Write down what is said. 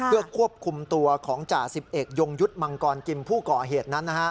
เพื่อควบคุมตัวของจ่าสิบเอกยงยุทธ์มังกรกิมผู้ก่อเหตุนั้น